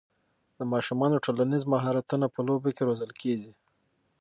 د ماشومانو ټولنیز مهارتونه په لوبو کې روزل کېږي.